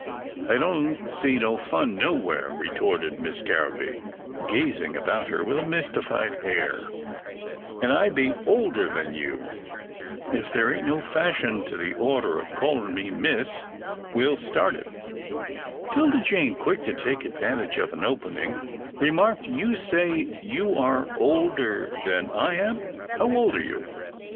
"" I don't see no fun nowhere," retorted Miss Garraby, gazing about her with a mystified air, " an' I be older than you. If there ain't no fashion to the order of callin' me Miss, we'll start it." 'Tilda Jane, quick to take advantage of an opening, remarked, " You say you are older than I am. How old are you